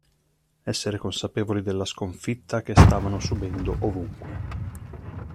Essere consapevoli della sconfitta che stavano subendo ovunque.